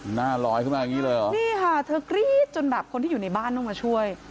หน้าลอยขึ้นมาอย่างนี้เลยเหรอนี่ค่ะเธอกรี๊ดจนแบบคนที่อยู่ในบ้านต้องมาช่วย